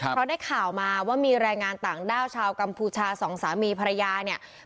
เพราะได้ข่าวมาว่ามีแรงงานต่างด้าวชาวกัมพูชาสองสามีภรรยาเนี่ย